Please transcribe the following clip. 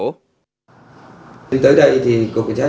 từ đây thì chúng tôi đã có thể tìm ra những người phụ nữ việt nam